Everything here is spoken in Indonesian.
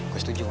gua setuju mon